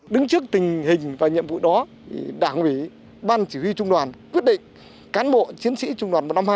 đứng trước tình hình và nhiệm vụ đó đảng ủy ban chỉ huy trung đoàn quyết định cán bộ chiến sĩ trung đoàn một trăm năm mươi hai